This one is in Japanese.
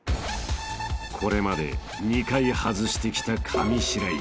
［これまで２回外してきた上白石さん］